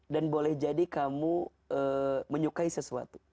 dan boleh jadi kamu menyukai sesuatu